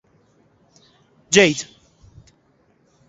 جید